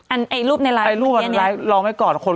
อันรูปในไลฟ์เหมือนเงี้ยเนี่ย